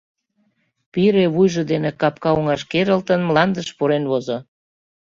Пире, вуйжо дене капка оҥаш керылтын, мландыш пурен возо.